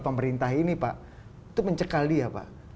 pemerintah ini pak itu mencekal dia pak